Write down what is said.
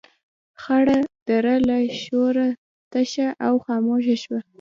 خړه دره له شوره تشه او خاموشه شوه.